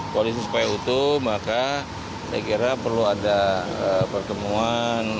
polisi supaya utuh maka saya kira perlu ada pertemuan